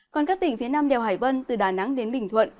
còn các tỉnh phía nam đèo hải vân từ đà nẵng đến bình thuận